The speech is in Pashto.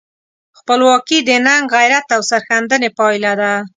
خپلواکي د ننګ، غیرت او سرښندنې پایله ده.